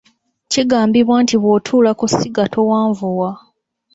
Kigambibwa nti bw'otuula ku ssiga towanvuwa.